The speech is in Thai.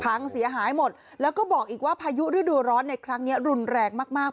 พังเสียหายหมดแล้วก็บอกอีกว่าพายุฤดูร้อนในครั้งนี้รุนแรงมากมาก